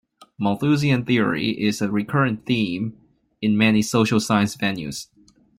Malthusian theory is a recurrent theme in many social science venues.